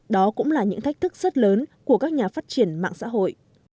đó cũng là những thách thức rất lớn của các nhà phát triển mạng xã hội